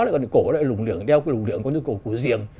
còn cổ lại lủng lưỡng đeo cái lủng lưỡng như cổ của riêng